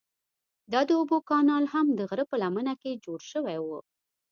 دا د اوبو کانال هم د غره په لمنه کې جوړ شوی و.